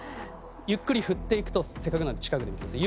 ゆっくり振っていくとせっかくなので近くで見てください。